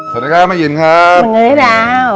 สวัสดีครับมรณหยินธ์ครับ